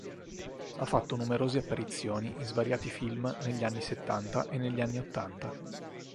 Ha fatto numerose apparizioni in svariati film negli anni settanta e negli anni ottanta.